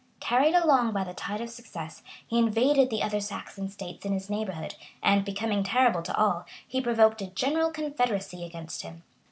Carried along by the tide of success, he invaded the other Saxon states in his neighborhood, and becoming terrible to all, he provoked a general confederacy against him.